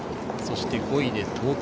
５位で東京。